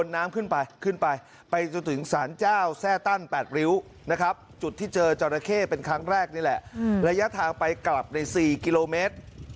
นี่แหละระยะทางไปกลับใน๔กิโลเมตร